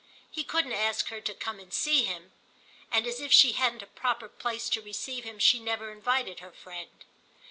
He couldn't ask her to come and see him, and as if she hadn't a proper place to receive him she never invited her friend.